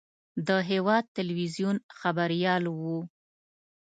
د هېواد تلویزیون خبریال و.